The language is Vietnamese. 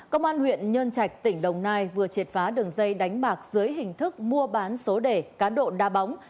công an huyện nhân trạch tỉnh đồng nai vừa triệt phá đường dây đánh bạc dưới hình thức mua bán số đề cá độ đa bóng